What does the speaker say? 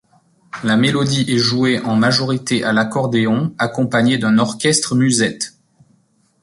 La mélodie est jouée en majorité à l’accordéon accompagné d’un orchestre musette.